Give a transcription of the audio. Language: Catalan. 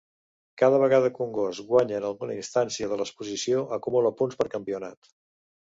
Cada vegada que un gos guanya en alguna instància de l'exposició, acumula punts pel campionat.